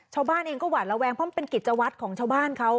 ชาวบ้านเองก็หวาดระแวงเพราะมันเป็นกิจวัตรของชาวบ้านเขา